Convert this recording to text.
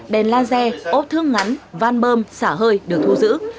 đèn laser ốp thương ngắn van bơm xả hơi được thu giữ